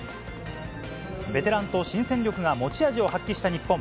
ベテランと新戦力が持ち味を発揮した日本。